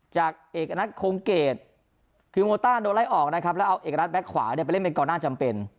จากเอกณัฐคงเกตคือโมต้าโดนไล่ออกนะครับแล้วเอาเอกรัฐแบ็คขวาเนี่ยไปเล่นเป็นกองหน้าจำเป็น